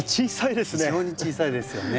小さいですね。